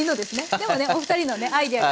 でもねお二人のねアイデアが。